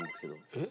えっ？